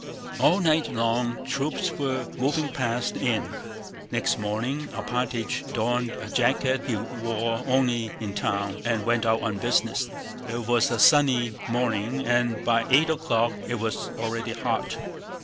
All night long troops were moving past the inn. Next morning Alpátych donned a jacket he wore only in town and went out on business. It was a sunny morning and by eight o'clock it was already hot.